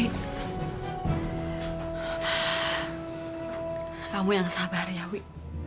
kamu yang sabar ya wi